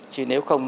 chứ nếu không